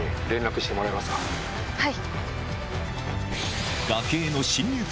はい。